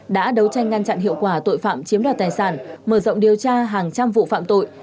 đã đấu tranh ngăn chặn hiệu quả tội phạm chiếm đoạt tài sản mở rộng điều tra hàng trăm vụ phạm tội